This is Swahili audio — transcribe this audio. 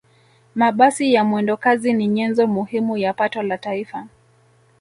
mabasi ya mwendokazi ni nyenzo muhimu ya pato la taifa